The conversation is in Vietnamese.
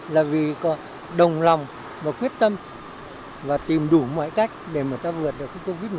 là vì có đồng lòng và quyết tâm và tìm đủ mọi cách để mà ta vượt được covid một mươi chín